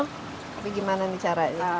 tapi gimana caranya